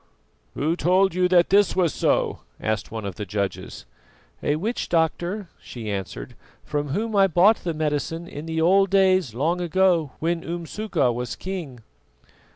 "Who told you that this was so?" asked one of the judges. "A witch doctor," she answered, "from whom I bought the medicine in the old days, long ago, when Umsuka was king."